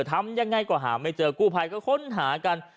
ทำยังไงก็หาไม่เจอกู้ภัยก็ค้นหากัน